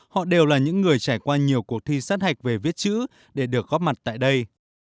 họ đều là những người trải qua nhiều cuộc thi sát hạch về viết chữ để được góp mặt tại đây